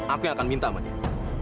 aku yang akan minta sama dia